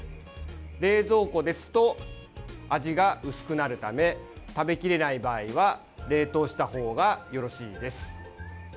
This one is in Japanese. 冷蔵庫ですと味が薄くなるため食べきれない場合は冷凍したほうがよろしいです。